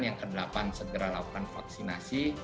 yang kedelapan segera lakukan vaksinasi